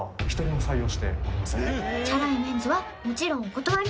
チャラいメンズはもちろんお断り